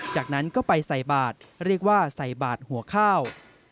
จากนั้นก็ไปใส่บาทเรียกว่าใส่บาทหัวข้าว